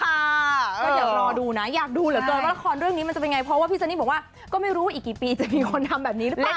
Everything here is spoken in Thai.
ก็เดี๋ยวรอดูนะอยากดูเหลือเกินว่าละครเรื่องนี้มันจะเป็นไงเพราะว่าพี่ซันนี่บอกว่าก็ไม่รู้ว่าอีกกี่ปีจะมีคนทำแบบนี้หรือเปล่า